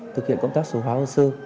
thực hiện công tác số hóa hồ sơ